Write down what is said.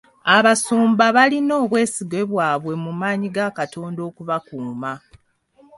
Abasumba balina obwesige bwabwe mu maanyi ga Katonda okubakuuma.